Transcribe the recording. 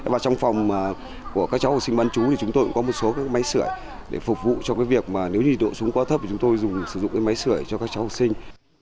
và trong phòng của các cháu học sinh bán chú thì chúng tôi cũng có một số máy sửa để phục vụ cho cái việc mà nếu như độ xuống quá thấp thì chúng tôi dùng sử dụng cái máy sửa cho các cháu học sinh